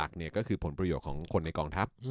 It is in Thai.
ก็คือผลประโยชน์ของคนในกองทัพ